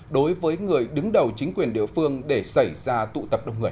đối với người đứng đầu chính quyền địa phương để xảy ra tụ tập đông người